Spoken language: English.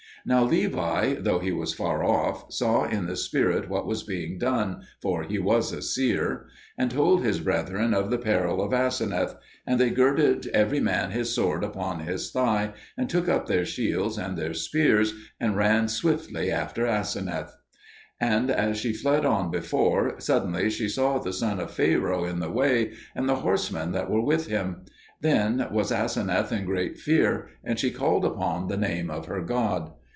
Now Levi, though he was afar off, saw in the spirit what was being done for he was a seer and told his brethren of the peril of Aseneth; and they girded every man his sword upon his thigh, and took up their shields and their spears and ran swiftly after Aseneth. And as she fled on before, suddenly she saw the son of Pharaoh in the way, and the horsemen that were with him. Then was Aseneth in great fear, and she called upon the name of her God.